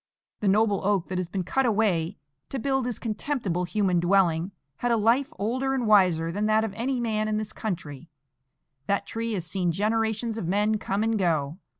The noble oak, that has been cut away to build this contemptible human dwelling, had a life older and wiser than that of any man in this country. That tree has seen generations of men come and go.